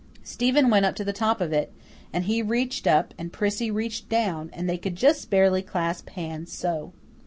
Stephen went up to the top of it, and he reached up and Prissy reached down, and they could just barely clasp hands so.